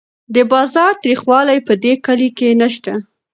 د بازار تریخوالی په دې کلي کې نشته.